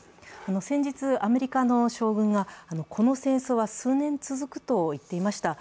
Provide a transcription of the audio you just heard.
先日、アメリカの将軍がこの戦争は数年続くと言っていました。